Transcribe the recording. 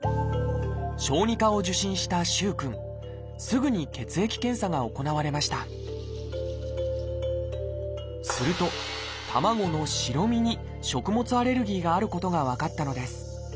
すぐに血液検査が行われましたすると卵の白身に食物アレルギーがあることが分かったのです。